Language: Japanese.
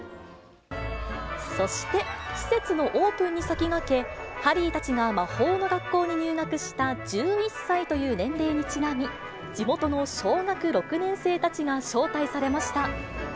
そして、施設のオープンに先駆け、ハリーたちが魔法の学校に入学した１１歳という年齢にちなみ、地元の小学６年生たちが招待されました。